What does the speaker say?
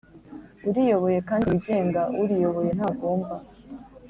uriyoboye kandi wigenga Uriyoboye ntagomba